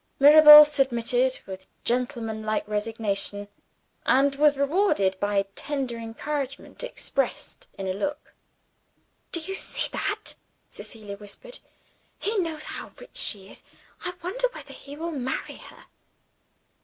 Mirabel submitted with gentleman like resignation, and was rewarded by tender encouragement expressed in a look. "Do you see that?" Cecilia whispered. "He knows how rich she is I wonder whether he will marry her."